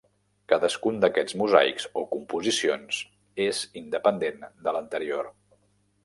Cadascun d'aquests mosaics o composicions és independent de l'anterior.